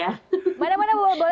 mana mana boleh dikasih lihat dong